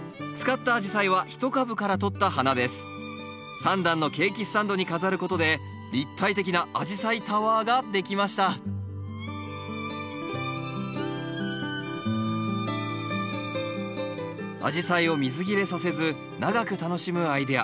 ３段のケーキスタンドに飾ることで立体的なアジサイタワーができましたアジサイを水切れさせず長く楽しむアイデア。